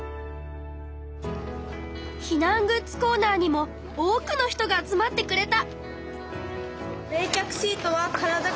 避難グッズコーナーにも多くの人が集まってくれた！